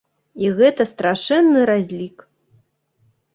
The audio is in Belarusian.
І гэта страшэнны разлік.